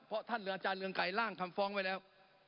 เพราะท่านหรืออาจารย์เรืองไกรล่างคำฟ้องไว้แล้ว